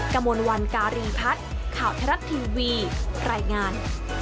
กระมวลวันการีพัฒน์ข่าวทรัฐทีวีรายงาน